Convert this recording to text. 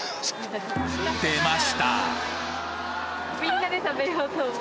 出ました！